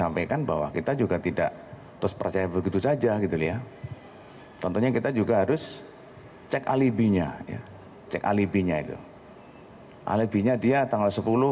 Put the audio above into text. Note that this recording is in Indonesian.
pukul dua belas siang